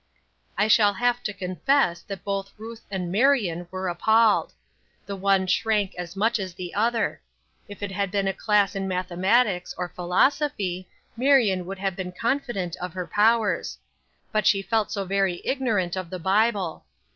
I shall have to confess that both Ruth and Marion were appalled. The one shrank as much as the other. If it had been a class in mathematics or philosophy Marion would have been confident of her powers; but she felt so very ignorant of the Bible.